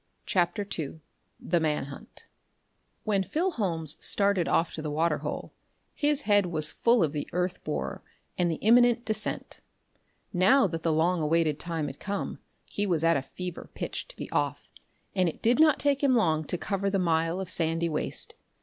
CHAPTER II The Man Hunt When Phil Holmes started off to the water hole, his head was full of the earth borer and the imminent descent. Now that the long awaited time had come, he was at fever pitch to be off, and it did not take him long to cover the mile of sandy waste.